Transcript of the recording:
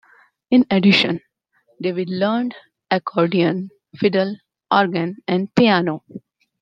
In addition, David learned accordion, fiddle, organ, and piano.